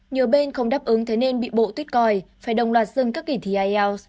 nhiều bên không đáp ứng thế nên bị bộ tuyết coi phải đồng loạt dừng các kỳ thi ielts